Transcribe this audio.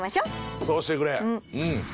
そうしてくれうん。